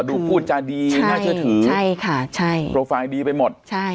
ดูพูดจาดีน่าเชื่อถือใช่ค่ะใช่โปรไฟล์ดีไปหมดใช่